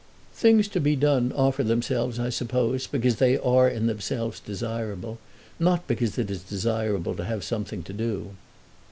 "Things to be done offer themselves, I suppose, because they are in themselves desirable; not because it is desirable to have something to do."